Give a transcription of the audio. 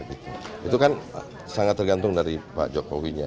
itu kan sangat tergantung dari pak jokowinya